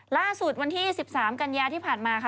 ล่าสุดวันที่๑๓กันยาที่ผ่านมาค่ะ